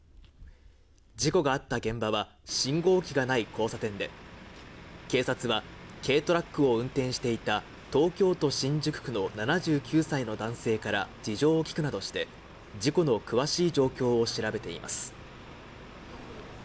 事故があった現場は信号機がない交差点で警察は軽トラックを運転していた東京都新宿区の７９歳の男性から事情を聴くなどして、事故の詳しい状況を調べています。